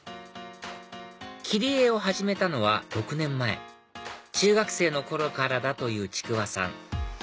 切り絵を始めたのは６年前中学生の頃からだというちくわさん